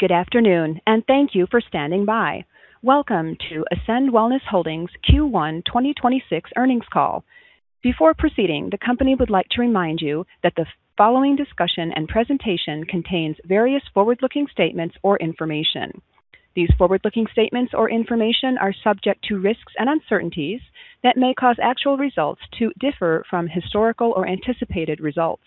Good afternoon, and thank you for standing by. Welcome to Ascend Wellness Holdings Q1 2026 earnings call. Before proceeding, the company would like to remind you that the following discussion and presentation contains various forward-looking statements or information. These forward-looking statements or information are subject to risks and uncertainties that may cause actual results to differ from historical or anticipated results.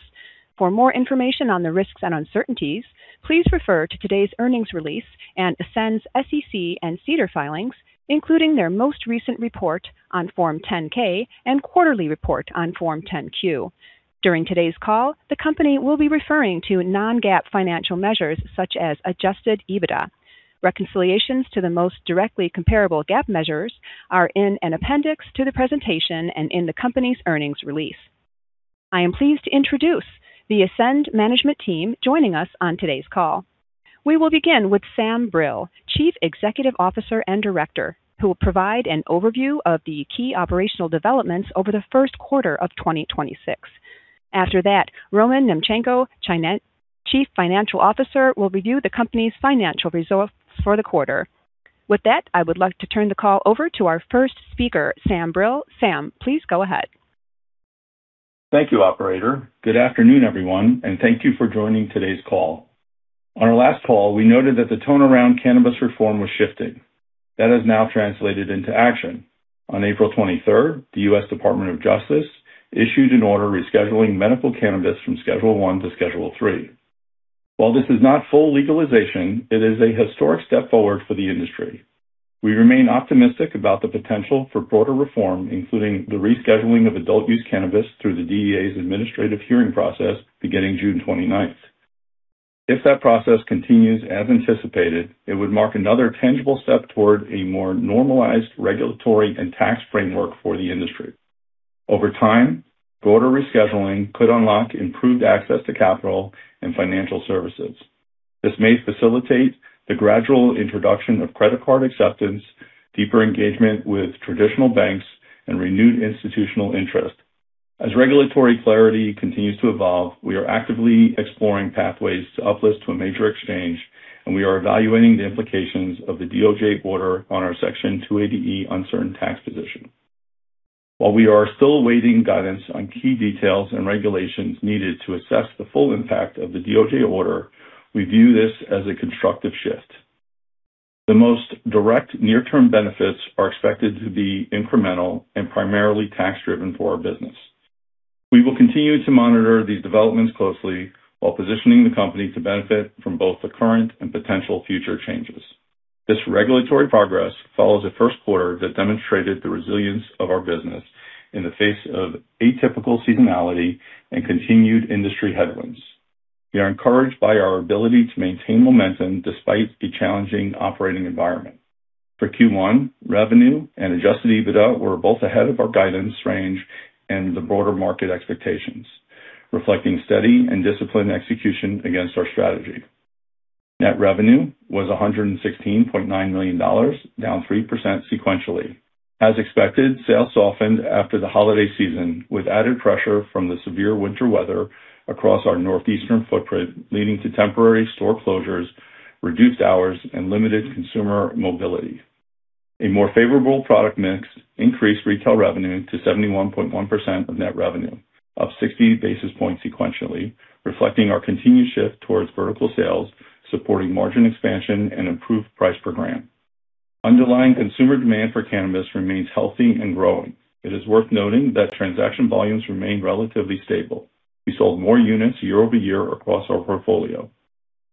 For more information on the risks and uncertainties, please refer to today's earnings release and Ascend's SEC and SEDAR filings, including their most recent report on Form 10-K and quarterly report on Form 10-Q. During today's call, the company will be referring to non-GAAP financial measures such as adjusted EBITDA. Reconciliations to the most directly comparable GAAP measures are in an appendix to the presentation and in the company's earnings release. I am pleased to introduce the Ascend management team joining us on today's call. We will begin with Sam Brill, Chief Executive Officer and Director, who will provide an overview of the key operational developments over the first quarter of 2026. After that, Roman Nemchenko, Chief Financial Officer, will review the company's financial results for the quarter. With that, I would like to turn the call over to our first speaker, Sam Brill. Sam, please go ahead. Thank you, operator. Good afternoon, everyone, and thank you for joining today's call. On our last call, we noted that the tone around cannabis reform was shifting. That has now translated into action. On April 23rd, the U.S. Department of Justice issued an order rescheduling medical cannabis from Schedule I to Schedule III. While this is not full legalization, it is a historic step forward for the industry. We remain optimistic about the potential for broader reform, including the rescheduling of adult-use cannabis through the DEA's administrative hearing process beginning June 29th. If that process continues as anticipated, it would mark another tangible step toward a more normalized regulatory and tax framework for the industry. Over time, broader rescheduling could unlock improved access to capital and financial services. This may facilitate the gradual introduction of credit card acceptance, deeper engagement with traditional banks, and renewed institutional interest. As regulatory clarity continues to evolve, we are actively exploring pathways to uplist to a major exchange, we are evaluating the implications of the DOJ order on our Section 280E uncertain tax position. While we are still awaiting guidance on key details and regulations needed to assess the full impact of the DOJ order, we view this as a constructive shift. The most direct near-term benefits are expected to be incremental and primarily tax-driven for our business. We will continue to monitor these developments closely while positioning the company to benefit from both the current and potential future changes. This regulatory progress follows a first quarter that demonstrated the resilience of our business in the face of atypical seasonality and continued industry headwinds. We are encouraged by our ability to maintain momentum despite the challenging operating environment. For Q1, revenue and adjusted EBITDA were both ahead of our guidance range and the broader market expectations, reflecting steady and disciplined execution against our strategy. Net revenue was $116.9 million, down 3% sequentially. As expected, sales softened after the holiday season, with added pressure from the severe winter weather across our northeastern footprint, leading to temporary store closures, reduced hours, and limited consumer mobility. A more favorable product mix increased retail revenue to 71.1% of net revenue, up 60 basis points sequentially, reflecting our continued shift towards vertical sales, supporting margin expansion and improved price per gram. Underlying consumer demand for cannabis remains healthy and growing. It is worth noting that transaction volumes remained relatively stable. We sold more units year-over-year across our portfolio.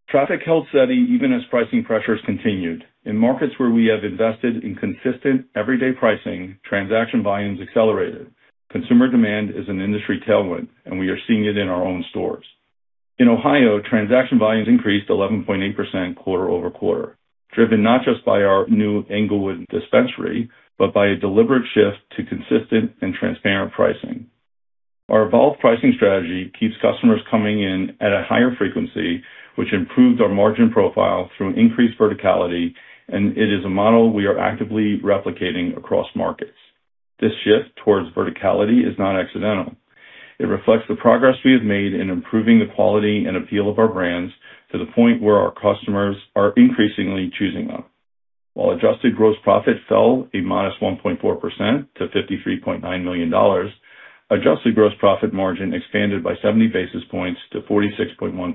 Traffic held steady even as pricing pressures continued. In markets where we have invested in consistent everyday pricing, transaction volumes accelerated. Consumer demand is an industry tailwind, and we are seeing it in our own stores. In Ohio, transaction volumes increased 11.8% quarter-over-quarter, driven not just by our new Englewood dispensary, but by a deliberate shift to consistent and transparent pricing. Our evolved pricing strategy keeps customers coming in at a higher frequency, which improved our margin profile through increased verticality, and it is a model we are actively replicating across markets. This shift towards verticality is not accidental. It reflects the progress we have made in improving the quality and appeal of our brands to the point where our customers are increasingly choosing them. While adjusted gross profit fell -1.4% to $53.9 million, adjusted gross profit margin expanded by 70 basis points to 46.1%.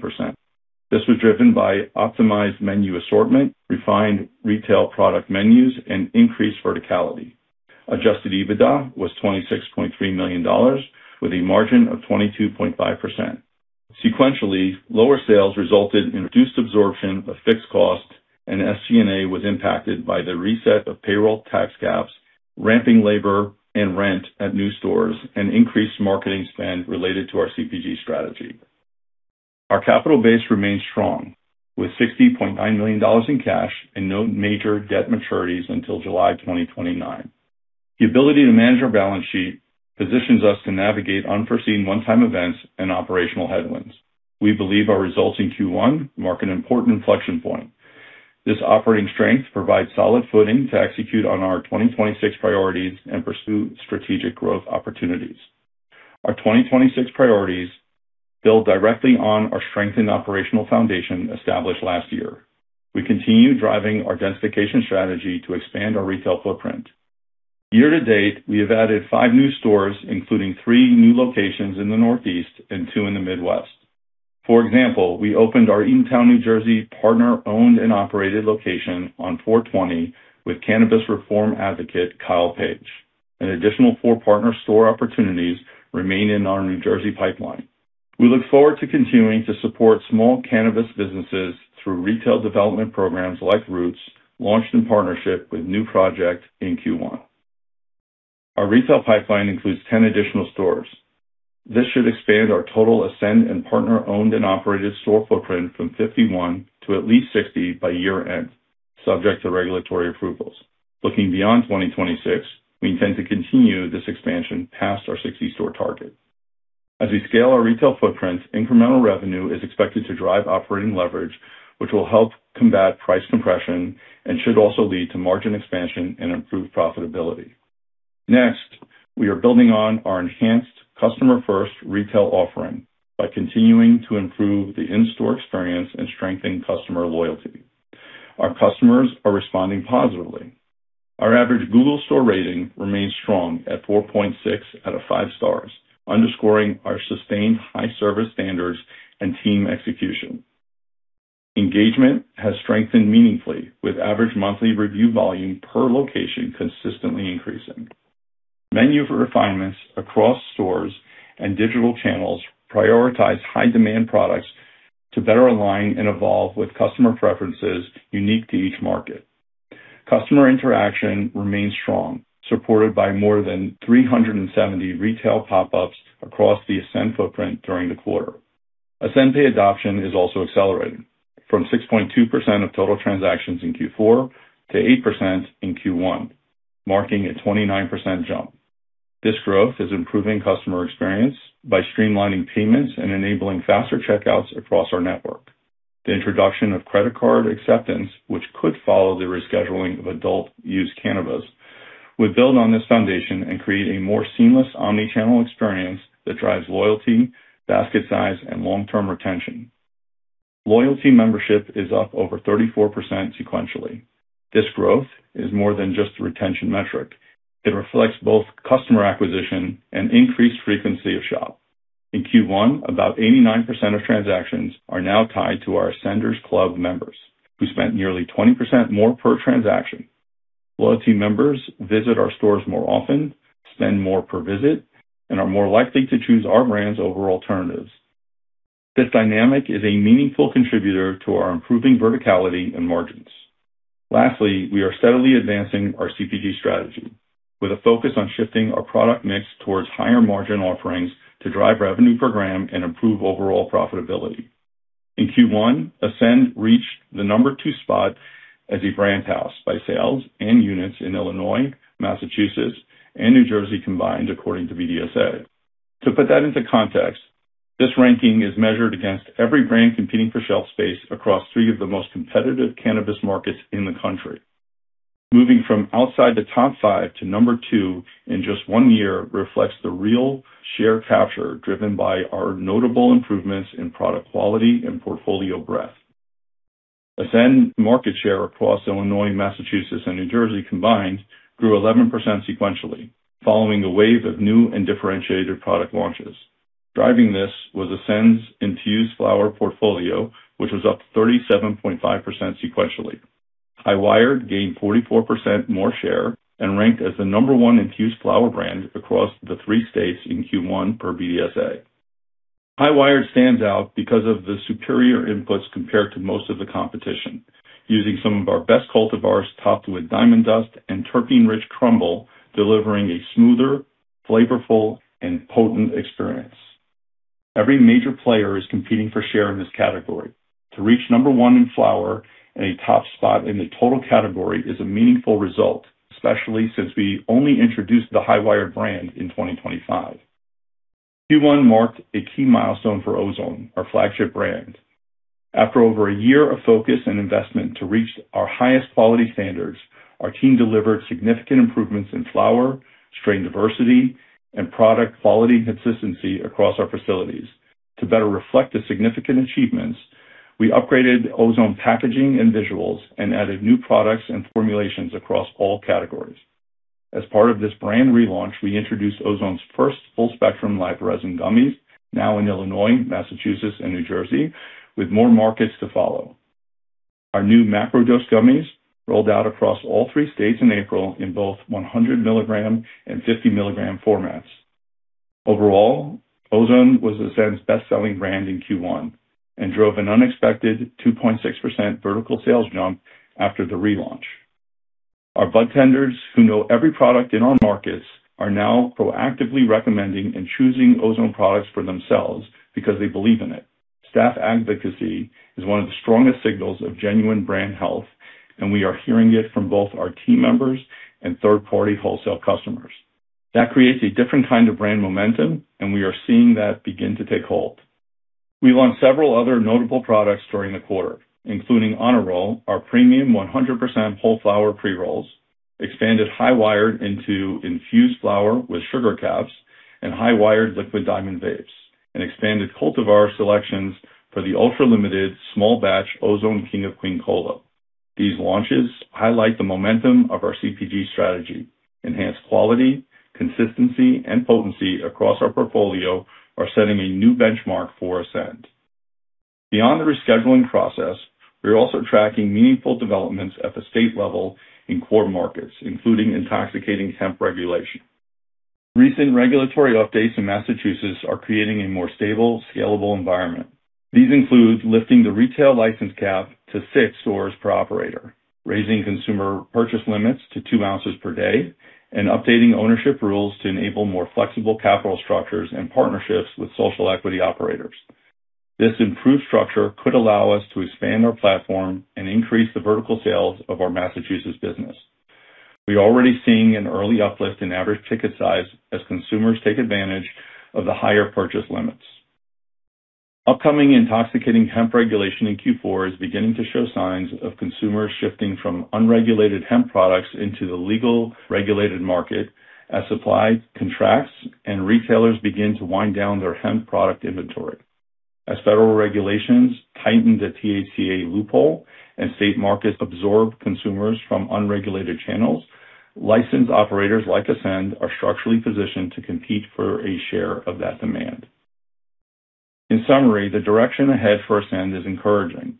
This was driven by optimized menu assortment, refined retail product menus, and increased verticality. Adjusted EBITDA was $26.3 million with a margin of 22.5%. Sequentially, lower sales resulted in reduced absorption of fixed cost, and SG&A was impacted by the reset of payroll tax caps, ramping labor and rent at new stores, and increased marketing spend related to our CPG strategy. Our capital base remains strong, with $60.9 million in cash and no major debt maturities until July 2029. The ability to manage our balance sheet positions us to navigate unforeseen one-time events and operational headwinds. We believe our results in Q1 mark an important inflection point. This operating strength provides solid footing to execute on our 2026 priorities and pursue strategic growth opportunities. Our 2026 priorities build directly on our strengthened operational foundation established last year. We continue driving our densification strategy to expand our retail footprint. Year to date, we have added five new stores, including three new locations in the Northeast and two in the Midwest. For example, we opened our Eatontown, New Jersey, partner-owned and operated location on 4/20 with cannabis reform advocate Kyle Page. An additional four partner store opportunities remain in our New Jersey pipeline. We look forward to continuing to support small cannabis businesses through retail development programs like ROOTS, launched in partnership with NuProject in Q1. Our retail pipeline includes 10 additional stores. This should expand our total Ascend and partner owned and operated store footprint from 51 to at least 60 by year-end, subject to regulatory approvals. Looking beyond 2026, we intend to continue this expansion past our 60-store target. As we scale our retail footprint, incremental revenue is expected to drive operating leverage, which will help combat price compression and should also lead to margin expansion and improved profitability. Next, we are building on our enhanced customer-first retail offering by continuing to improve the in-store experience and strengthening customer loyalty. Our customers are responding positively. Our average Google Store rating remains strong at 4.6 out of 5 stars, underscoring our sustained high service standards and team execution. Engagement has strengthened meaningfully with average monthly review volume per location consistently increasing. Menu refinements across stores and digital channels prioritize high-demand products to better align and evolve with customer preferences unique to each market. Customer interaction remains strong, supported by more than 370 retail pop-ups across the Ascend footprint during the quarter. Ascend Pay adoption is also accelerating from 6.2% of total transactions in Q4 to 8% in Q1, marking a 29% jump. This growth is improving customer experience by streamlining payments and enabling faster checkouts across our network. The introduction of credit card acceptance, which could follow the rescheduling of adult-use cannabis, would build on this foundation and create a more seamless omnichannel experience that drives loyalty, basket size, and long-term retention. Loyalty membership is up over 34% sequentially. This growth is more than just a retention metric. It reflects both customer acquisition and increased frequency of shop. In Q1, about 89% of transactions are now tied to our Ascenders Club members, who spent nearly 20% more per transaction. Loyalty members visit our stores more often, spend more per visit, and are more likely to choose our brands over alternatives. This dynamic is a meaningful contributor to our improving verticality and margins. Lastly, we are steadily advancing our CPG strategy with a focus on shifting our product mix towards higher-margin offerings to drive revenue per gram and improve overall profitability. In Q1, Ascend reached the number two spot as a brand house by sales and units in Illinois, Massachusetts, and New Jersey combined, according to BDSA. To put that into context, this ranking is measured against every brand competing for shelf space across three of the most competitive cannabis markets in the country. Moving from outside the top five to number two in just one year reflects the real share capture driven by our notable improvements in product quality and portfolio breadth. Ascend market share across Illinois, Massachusetts, and New Jersey combined grew 11% sequentially, following a wave of new and differentiated product launches. Driving this was Ascend's infused flower portfolio, which was up 37.5% sequentially. High Wired gained 44% more share and ranked as the number one infused flower brand across the three states in Q1 per BDSA. High Wired stands out because of the superior inputs compared to most of the competition, using some of our best cultivars topped with diamond dust and terpene-rich crumble, delivering a smoother, flavorful, and potent experience. Every major player is competing for share in this category. To reach number one in flower and a top spot in the total category is a meaningful result, especially since we only introduced the High Wired brand in 2025. Q1 marked a key milestone for Ozone, our flagship brand. After over a year of focus and investment to reach our highest quality standards, our team delivered significant improvements in flower, strain diversity, and product quality consistency across our facilities. To better reflect the significant achievements, we upgraded Ozone packaging and visuals and added new products and formulations across all categories. As part of this brand relaunch, we introduced Ozone's first full-spectrum live resin gummies, now in Illinois, Massachusetts, and New Jersey, with more markets to follow. Our new macro dose gummies rolled out across all three states in April in both 100 mg and 50 mg formats. Overall, Ozone was Ascend's best-selling brand in Q1 and drove an unexpected 2.6% vertical sales jump after the relaunch. Our budtenders, who know every product in our markets, are now proactively recommending and choosing Ozone products for themselves because they believe in it. Staff advocacy is one of the strongest signals of genuine brand health, and we are hearing it from both our team members and third-party wholesale customers. That creates a different kind of brand momentum, and we are seeing that begin to take hold. We launched several other notable products during the quarter, including Honor Roll, our premium 100% whole flower pre-rolls, expanded High Wired into infused flower with sugar caps and High Wired Liquid Diamonds vapes, and expanded cultivar selections for the ultra-limited small batch Ozone King of Queen Cola. These launches highlight the momentum of our CPG strategy, enhanced quality, consistency, and potency across our portfolio are setting a new benchmark for Ascend. Beyond the rescheduling process, we are also tracking meaningful developments at the state level in core markets, including intoxicating hemp regulation. Recent regulatory updates in Massachusetts are creating a more stable, scalable environment. These include lifting the retail license cap to six stores per operator, raising consumer purchase limits to two ounces per day, and updating ownership rules to enable more flexible capital structures and partnerships with social equity operators. This improved structure could allow us to expand our platform and increase the vertical sales of our Massachusetts business. We are already seeing an early uplift in average ticket size as consumers take advantage of the higher purchase limits. Upcoming intoxicating hemp regulation in Q4 is beginning to show signs of consumers shifting from unregulated hemp products into the legal regulated market as supply contracts and retailers begin to wind down their hemp product inventory. As federal regulations tighten the THCA loophole and state markets absorb consumers from unregulated channels, licensed operators like Ascend are structurally positioned to compete for a share of that demand. In summary, the direction ahead for Ascend is encouraging.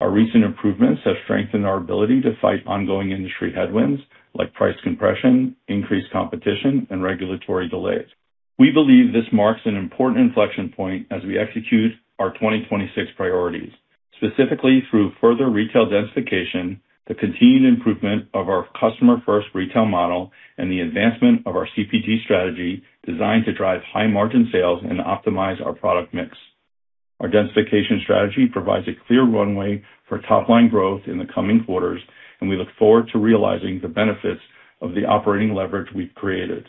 Our recent improvements have strengthened our ability to fight ongoing industry headwinds like price compression, increased competition, and regulatory delays. We believe this marks an important inflection point as we execute our 2026 priorities, specifically through further retail densification, the continued improvement of our customer-first retail model, and the advancement of our CPG strategy designed to drive high-margin sales and optimize our product mix. Our densification strategy provides a clear runway for top-line growth in the coming quarters, and we look forward to realizing the benefits of the operating leverage we've created.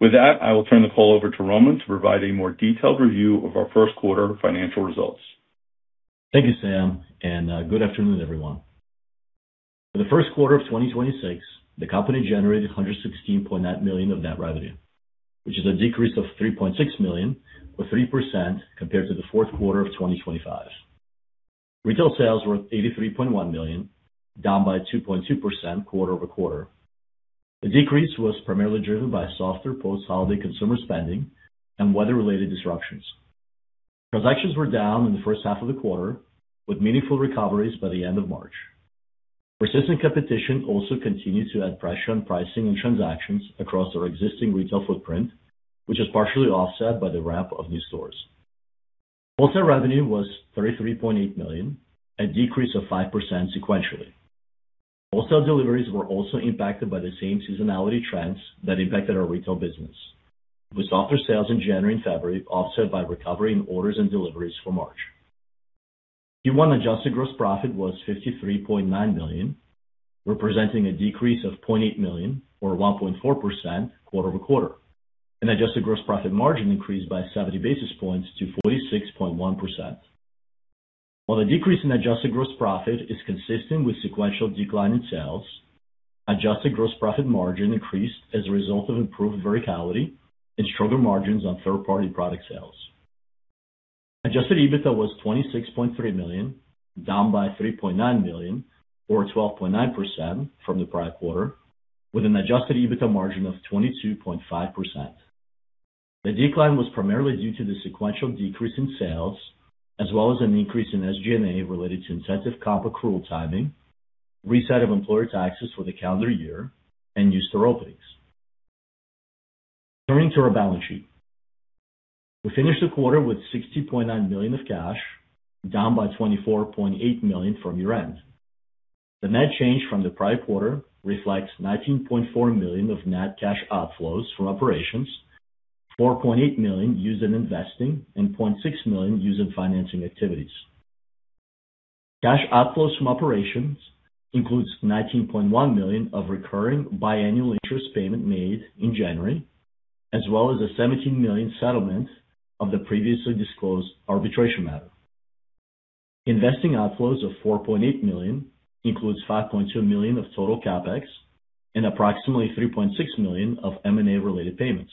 With that, I will turn the call over to Roman to provide a more detailed review of our first quarter financial results. Thank you, Sam. Good afternoon, everyone. For the first quarter of 2026, the company generated $116.0 million of net revenue, which is a decrease of $3.6 million, or 3% compared to the fourth quarter of 2025. Retail sales were $83.1 million, down by 2.2% quarter-over-quarter. The decrease was primarily driven by softer post-holiday consumer spending and weather-related disruptions. Transactions were down in the first half of the quarter, with meaningful recoveries by the end of March. Persistent competition also continued to add pressure on pricing and transactions across our existing retail footprint, which was partially offset by the ramp of new stores. Wholesale revenue was $33.8 million, a decrease of 5% sequentially. Wholesale deliveries were also impacted by the same seasonality trends that impacted our retail business, with softer sales in January and February offset by recovery in orders and deliveries for March. Q1 adjusted gross profit was $53.9 million, representing a decrease of $0.8 million or 1.4% quarter-over-quarter. An adjusted gross profit margin increased by 70 basis points to 46.1%. While the decrease in adjusted gross profit is consistent with sequential decline in sales, adjusted gross profit margin increased as a result of improved verticality and stronger margins on third-party product sales. Adjusted EBITDA was $26.3 million, down by $3.9 million, or 12.9% from the prior quarter, with an adjusted EBITDA margin of 22.5%. The decline was primarily due to the sequential decrease in sales, as well as an increase in SG&A related to incentive comp accrual timing, reset of employer taxes for the calendar year, and new store openings. Turning to our balance sheet. We finished the quarter with $60.9 million of cash, down by $24.8 million from year-end. The net change from the prior quarter reflects $19.4 million of net cash outflows from operations, $4.8 million used in investing, and $0.6 million used in financing activities. Cash outflows from operations includes $19.1 million of recurring biannual interest payment made in January, as well as a $17 million settlement of the previously disclosed arbitration matter. Investing outflows of $4.8 million includes $5.2 million of total CapEx and approximately $3.6 million of M&A-related payments.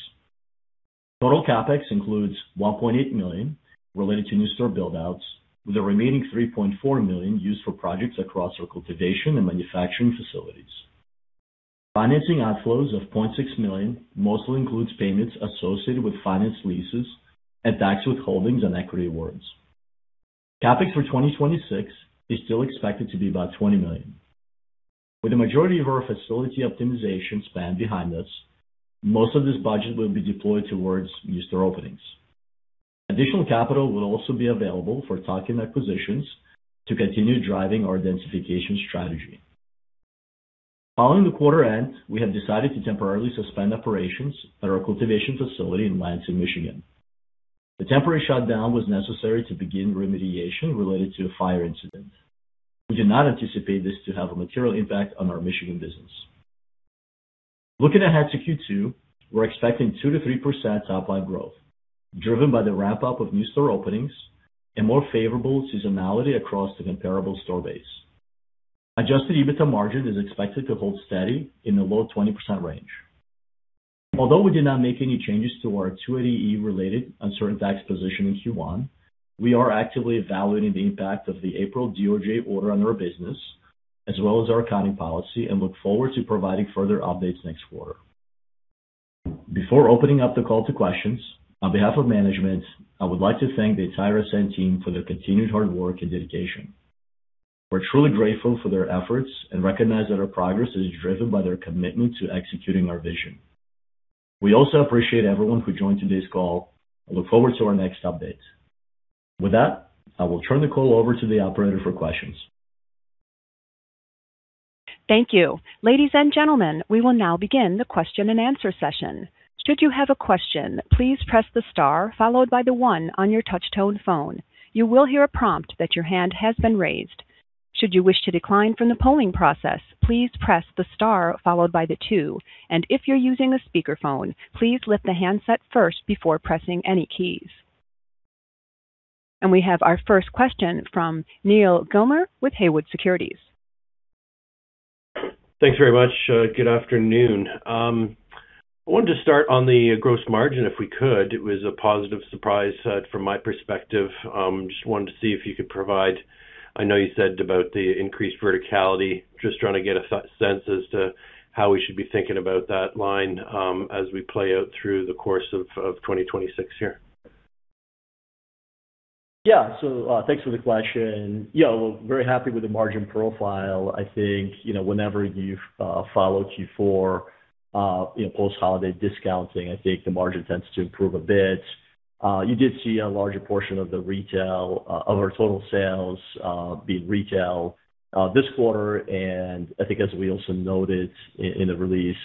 Total CapEx includes $1.8 million related to new store build-outs, with the remaining $3.4 million used for projects across our cultivation and manufacturing facilities. Financing outflows of $0.6 million mostly includes payments associated with finance leases and tax withholdings on equity awards. CapEx for 2026 is still expected to be about $20 million. With the majority of our facility optimization spend behind us, most of this budget will be deployed towards new store openings. Additional capital will also be available for tuck-in acquisitions to continue driving our densification strategy. Following the quarter end, we have decided to temporarily suspend operations at our cultivation facility in Lansing, Michigan. The temporary shutdown was necessary to begin remediation related to a fire incident. We do not anticipate this to have a material impact on our Michigan business. Looking ahead to Q2, we're expecting 2%-3% top-line growth, driven by the ramp-up of new store openings and more favorable seasonality across the comparable store base. Adjusted EBITDA margin is expected to hold steady in the low 20% range. Although we did not make any changes to our 280E-related uncertain tax position in Q1, we are actively evaluating the impact of the April DOJ order on our business as well as our accounting policy and look forward to providing further updates next quarter. Before opening up the call to questions, on behalf of management, I would like to thank the entire Ascend team for their continued hard work and dedication. We're truly grateful for their efforts and recognize that our progress is driven by their commitment to executing our vision. We also appreciate everyone who joined today's call and look forward to our next updates. With that, I will turn the call over to the operator for questions. Thank you. Ladies and gentlemen, we will now begin the question-and-answer session. Should you have a question, please press the star followed by the one on your touch-tone phone. You will hear a prompt that your hand has been raised. Should you wish to decline from the polling process, please press the star followed by the two. If you're using a speakerphone, please lift the handset first before pressing any keys. We have our first question from Neal Gilmer with Haywood Securities. Thanks very much. Good afternoon. I wanted to start on the gross margin, if we could. It was a positive surprise from my perspective. Just wanted to see if you could provide I know you said about the increased verticality. Just trying to get a sense as to how we should be thinking about that line as we play out through the course of 2026 here. Thanks for the question. We're very happy with the margin profile. I think, you know, whenever you follow Q4, you know, post-holiday discounting, I think the margin tends to improve a bit. You did see a larger portion of the retail, of our total sales, being retail, this quarter. I think as we also noted in the release,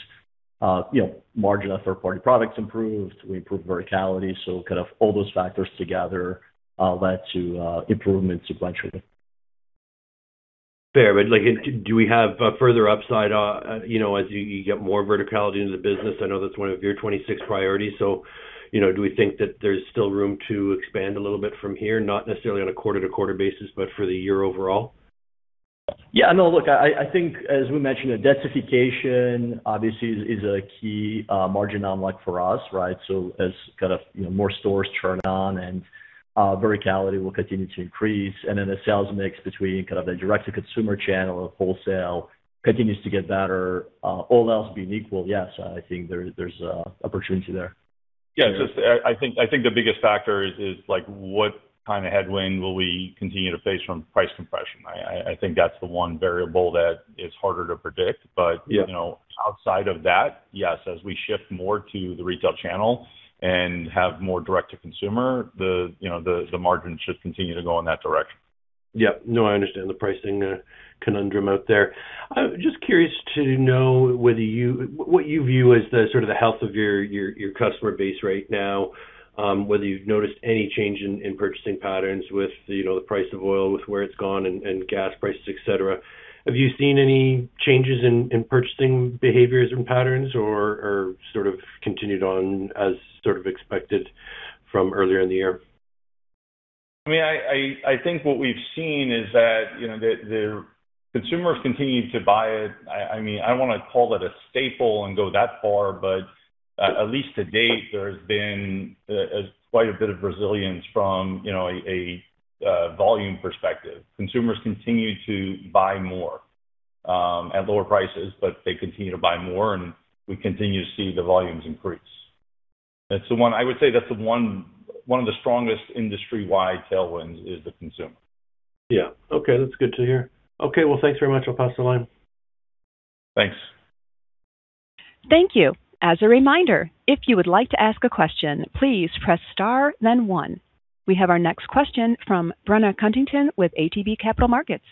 you know, margin on third-party products improved. We improved verticality, kind of all those factors together, led to improvement sequentially. Fair. Like, do we have further upside, you know, as you get more verticality in the business? I know that's one of your 2026 priorities. You know, do we think that there's still room to expand a little bit from here? Not necessarily on a quarter-over-quarter basis, but for the year overall. Yeah. No, look, I think as we mentioned, densification obviously is a key margin online for us, right? As kind of, you know, more stores turn on and verticality will continue to increase, and then the sales mix between kind of the direct-to-consumer channel or wholesale continues to get better, all else being equal, yes, I think there's opportunity there. Yeah. I think the biggest factor is like, what kind of headwind will we continue to face from price compression? I think that's the one variable that is harder to predict. Yeah. You know, outside of that, yes, as we shift more to the retail channel and have more direct to consumer, the, you know, the margins should continue to go in that direction. No, I understand the pricing conundrum out there. I'm just curious to know what you view as the sort of the health of your customer base right now, whether you've noticed any change in purchasing patterns with, you know, the price of oil with where it's gone and gas prices, et cetera. Have you seen any changes in purchasing behaviors and patterns or sort of continued on as sort of expected from earlier in the year? I mean, I think what we've seen is that, you know, the consumers continue to buy it. I mean, I don't want to call it a staple and go that far, but at least to date, there's been quite a bit of resilience from, you know, a volume perspective. Consumers continue to buy more at lower prices, but they continue to buy more, and we continue to see the volumes increase. I would say that's one of the strongest industry-wide tailwinds is the consumer. Yeah. Okay, that's good to hear. Okay, well, thanks very much. I'll pass the line. Thanks. Thank you. As a reminder, if you would like to ask a question, please press star then one. We have our next question from Brenna Cunnington with ATB Capital Markets.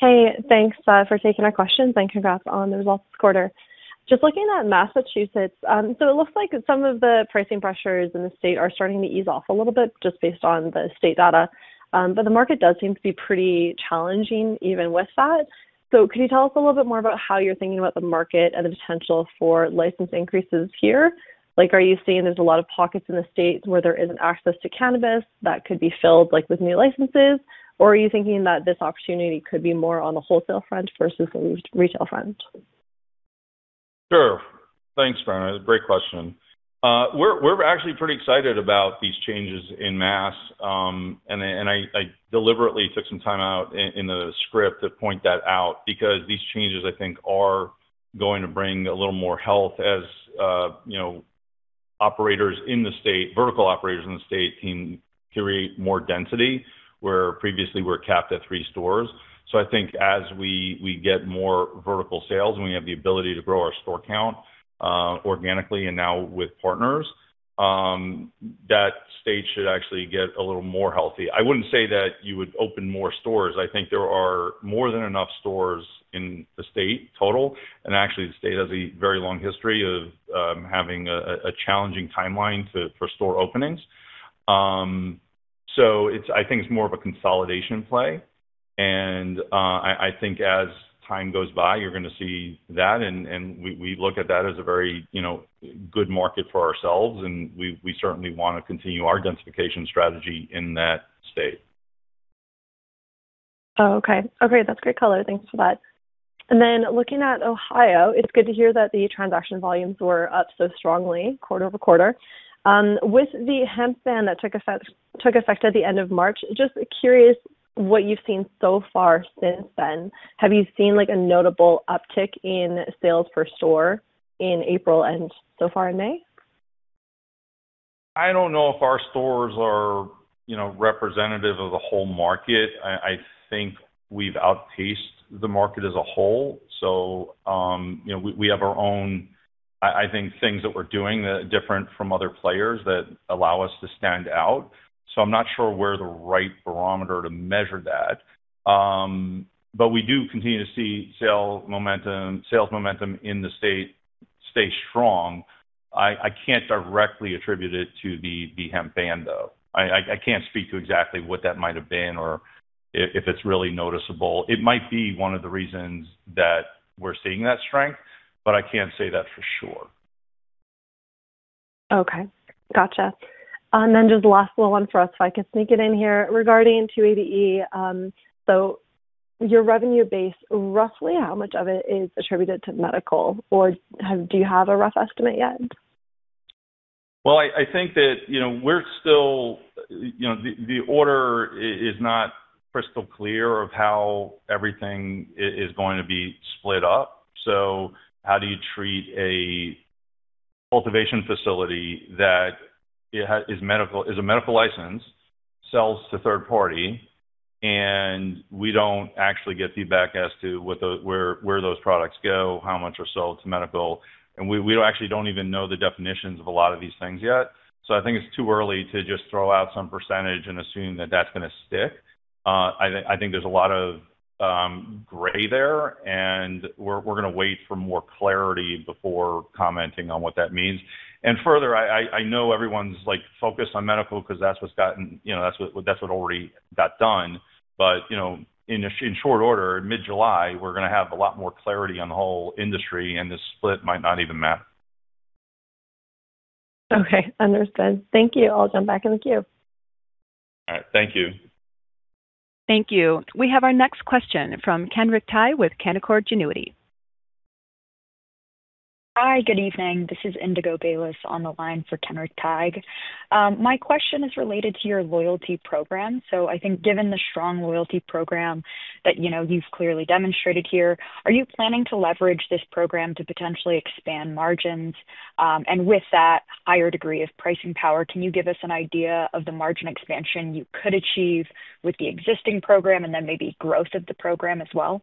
Hey, thanks for taking our questions and congrats on the results this quarter. Just looking at Massachusetts, it looks like some of the pricing pressures in the state are starting to ease off a little bit just based on the state data. The market does seem to be pretty challenging even with that. Could you tell us a little bit more about how you're thinking about the market and the potential for license increases here? Like, are you seeing there's a lot of pockets in the state where there isn't access to cannabis that could be filled, like, with new licenses? Are you thinking that this opportunity could be more on the wholesale front versus the re-retail front? Sure. Thanks, Brenna. Great question. We're actually pretty excited about these changes in Mass. I deliberately took some time out in the script to point that out because these changes, I think, are going to bring a little more health as, you know, operators in the state, vertical operators in the state can create more density, where previously we were capped at three stores. I think as we get more vertical sales, and we have the ability to grow our store count, organically and now with partners, that stage should actually get a little more healthy. I wouldn't say that you would open more stores. I think there are more than enough stores in the state total, and actually, the state has a very long history of having a challenging timeline for store openings. I think it's more of a consolidation play. I think as time goes by, you're gonna see that. We look at that as a very, you know, good market for ourselves, and we certainly wanna continue our densification strategy in that state. Oh, okay. Okay, that's great color. Thanks for that. Then looking at Ohio, it's good to hear that the transaction volumes were up so strongly quarter-over-quarter. With the hemp ban that took effect at the end of March, just curious what you've seen so far since then. Have you seen, like, a notable uptick in sales per store in April and so far in May? I don't know if our stores are, you know, representative of the whole market. I think we've outpaced the market as a whole. We have our own, I think, things that we're doing that are different from other players that allow us to stand out. I'm not sure we're the right barometer to measure that. We do continue to see sales momentum in the state stay strong. I can't directly attribute it to the hemp ban, though. I can't speak to exactly what that might have been or if it's really noticeable. It might be one of the reasons that we're seeing that strength, but I can't say that for sure. Okay. Gotcha. Just last little one for us, if I could sneak it in here regarding 280E. Your revenue base, roughly how much of it is attributed to medical? Do you have a rough estimate yet? I think that, you know the order is not crystal clear of how everything is going to be split up. How do you treat a cultivation facility that is medical, is a medical license, sells to third party, and we don't actually get feedback as to where those products go, how much are sold to medical. We don't actually don't even know the definitions of a lot of these things yet. I think it's too early to just throw out some % and assume that that's gonna stick. I think there's a lot of gray there, and we're gonna wait for more clarity before commenting on what that means. Further, I know everyone's, like, focused on medical 'cause that's what's gotten, you know, that's what already got done. You know, in short order, mid-July, we're gonna have a lot more clarity on the whole industry, and the split might not even matter. Okay. Understood. Thank you. I'll jump back in the queue. All right. Thank you. Thank you. We have our next question from Kenric Tyghe with Canaccord Genuity. Hi, good evening. This is Indigo Baylis on the line for Kenric Tyghe. My question is related to your loyalty program. I think given the strong loyalty program that, you know, you've clearly demonstrated here, are you planning to leverage this program to potentially expand margins? With that higher degree of pricing power, can you give us an idea of the margin expansion you could achieve with the existing program and then maybe growth of the program as well?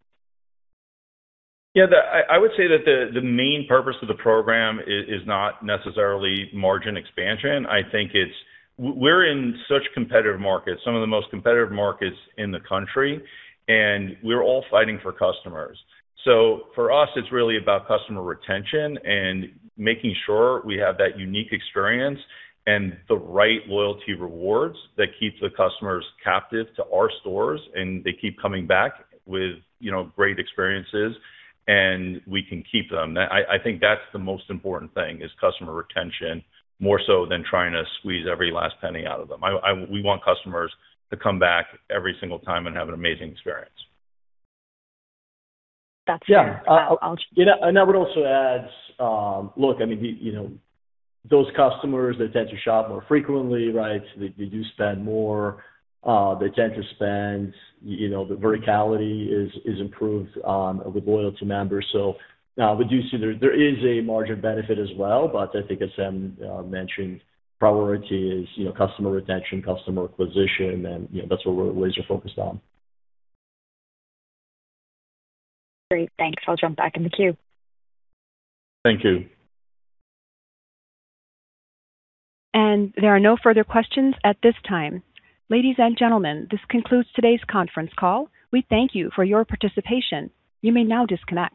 Yeah. I would say that the main purpose of the program is not necessarily margin expansion. I think it's we're in such competitive markets, some of the most competitive markets in the country, and we're all fighting for customers. For us, it's really about customer retention and making sure we have that unique experience and the right loyalty rewards that keeps the customers captive to our stores, and they keep coming back with, you know, great experiences, and we can keep them. I think that's the most important thing is customer retention, more so than trying to squeeze every last penny out of them. We want customers to come back every single time and have an amazing experience. That's fair. Yeah. I'll- You know, I would also add, look, I mean, you know, those customers that tend to shop more frequently, right, they do spend more. They tend to spend, you know, the verticality is improved with loyalty members. We do see there is a margin benefit as well. I think as Sam mentioned, priority is, you know, customer retention, customer acquisition, and, you know, that's what we're laser-focused on. Great. Thanks. I'll jump back in the queue. Thank you. There are no further questions at this time. Ladies and gentlemen, this concludes today's conference call. We thank you for your participation. You may now disconnect.